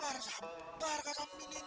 warang sabar kak sammin ini